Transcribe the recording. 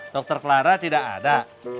dokter clara tidak ada